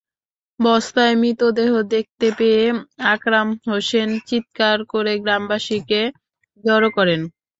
বস্তায় মৃতদেহ দেখতে পেয়ে আকরাম হোসেন চিৎকার করে গ্রামবাসীকে জড়ো করেন।